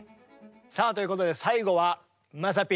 さあということで最後はまさピー。